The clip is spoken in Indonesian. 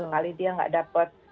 kali dia nggak dapat